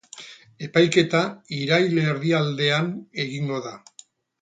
Epaiketa irail erdialdean egingo da.